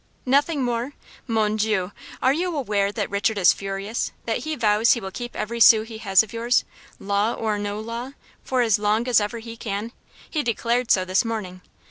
"Nothing more? Mon Dieu! are you aware that Richard is furious; that he vows he will keep every sou he has of yours law or no law for as long as ever he can? He declared so this morning.